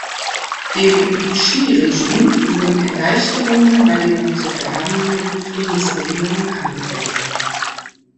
Dem Vichy-Regime wurden Erleichterungen bei den noch zu verhandelnden Friedensbedingungen angeboten.